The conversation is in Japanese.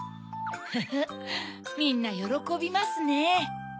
フフっみんなよろこびますね。